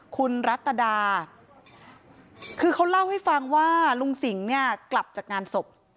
คุณรัตดาคือเขาเล่าให้ฟังว่าลุงสิงห์เนี่ยกลับจากงานศพ